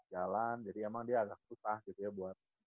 jalan jadi emang dia agak susah gitu ya buat